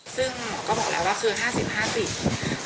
ซึ่งหมอก็บอกแล้วว่าคือ๕๐๕๐